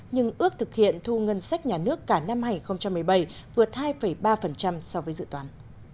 nhưng ước thực hiện thu ngân sách nhà nước cả năm hai nghìn một mươi bảy vượt hai ba so với dự toán